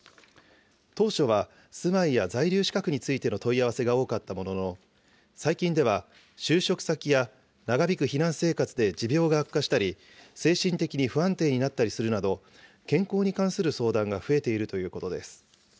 当初は住まいや在留資格についての問い合わせが多かったものの、最近では就職先や長引く避難生活で持病が悪化したり、精神的に不安定になったりするなど、健康に関する相談が増えているということです。